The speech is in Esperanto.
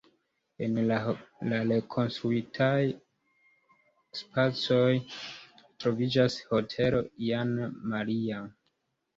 En la rekonstruitaj spacoj troviĝas hotelo Jan Maria.